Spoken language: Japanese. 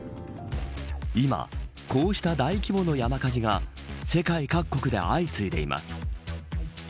今、こうした大規模の山火事が世界各国で相次いでいます。